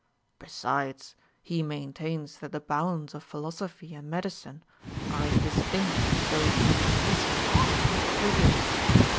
Besides, he maintains that the bounds of philosophy and medicine are as distinct as those of the Mysians and Phry 2:ians.